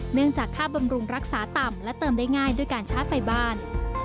เนื่องจากค่าบำรุงรักษาต่ำและเติมได้ง่ายด้วยการชาร์จไฟบ้าน